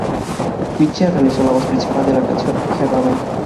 Whiting realizó la voz principal en la canción "The Raven".